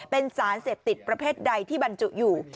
เป็นสารเสพติดประเภทใดที่บรรจุอยู่